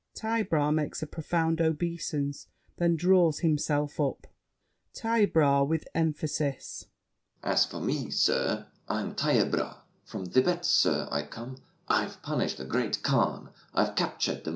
Taillebras makes a profound obeisance, then draws himself up. TAILLEBRAS (with emphasis). As for me, Sir, I am Taillebras. From Thibet, sir, I come; I've punished the great Khan, I've captured The Mogul— LAFFEMAS.